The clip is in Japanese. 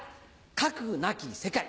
「核なき世界」。